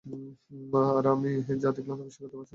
আর আমি যা দেখলাম তা বিশ্বাস করতে পারছি না।